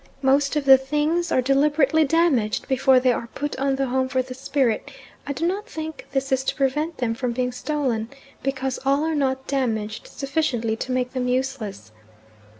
Most of the things are deliberately damaged before they are put on the home for the spirit; I do not think this is to prevent them from being stolen, because all are not damaged sufficiently to make them useless.